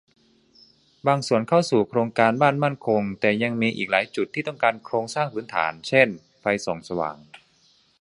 บางส่วนเข้าสู่โครงการบ้านมั่นคง แต่ยังมีอีกหลายจุดที่ต้องการโครงสร้างพื้นฐานเช่น ไฟส่องสว่าง